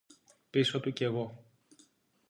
Πίσω του κι εγώ